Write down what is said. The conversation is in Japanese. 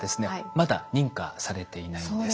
まだ認可されていないんです。